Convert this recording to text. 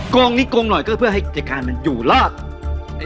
กรงนิกรงหน่อยก็เพื่อให้กิจการมันอยู่ล่ะ